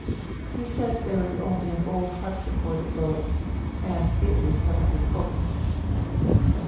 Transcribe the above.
"He says there is only an old harpsichord at Lowick, and it is covered with books."